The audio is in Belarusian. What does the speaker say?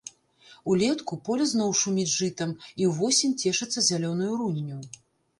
Улетку поле зноў шуміць жытам і ўвосень цешыцца зялёнаю рунню.